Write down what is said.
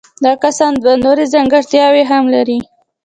دا کسان دوه نورې ځانګړتیاوې هم لري.